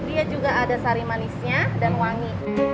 dia juga ada sari manisnya dan wangi